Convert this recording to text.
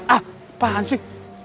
ah apaan sih